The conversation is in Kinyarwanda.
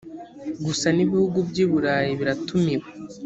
gusa n’ibihugu by’i burayi biratumiwe